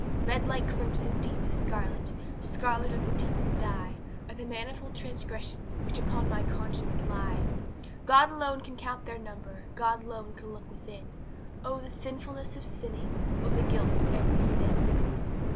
"Red like crimson, deep as scarlet, Scarlet of the deepest dye, Are the manifold transgressions Which upon my conscience lie! "God alone can count their number! God alone can look within; Oh, the sinfulness of sinning! Oh, the guilt of every sin!"